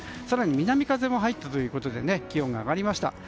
更に南風も入ったということで気温が上がりました。